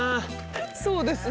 そうですね。